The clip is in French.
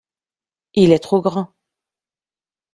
Il est trop grand.